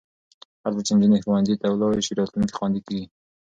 هرځل چې نجونې ښوونځي ته ولاړې شي، راتلونکی خوندي کېږي.